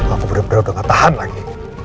aku benar benar udah gak tahan lagi